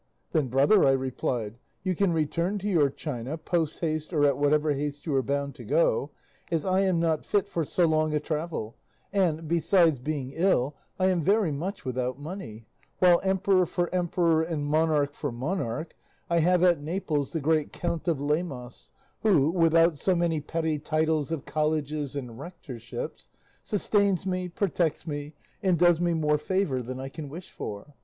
"Then, brother," I replied, "you can return to your China, post haste or at whatever haste you are bound to go, as I am not fit for so long a travel and, besides being ill, I am very much without money, while Emperor for Emperor and Monarch for Monarch, I have at Naples the great Count of Lemos, who, without so many petty titles of colleges and rectorships, sustains me, protects me and does me more favour than I can wish for."